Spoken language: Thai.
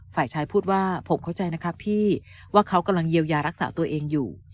ฝ่ายชายพูดว่าผมเข้าใจนะครับพี่ว่าเขากำลังเยียวยารักษาตัวเองอยู่